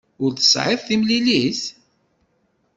Ur tesɛiḍ timlilit?